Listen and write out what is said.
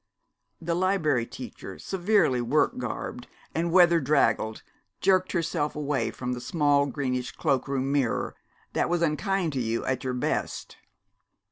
The Liberry Teacher, severely work garbed and weather draggled, jerked herself away from the small greenish cloak room mirror that was unkind to you at your best.